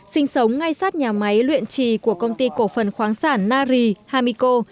sinh sống ngay sát nhà máy luyện trì của công ty cổ phần khoáng sản nari hamiko